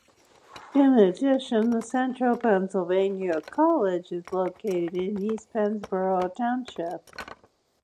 In addition, the Central Pennsylvania College is located in East Pennsboro Township.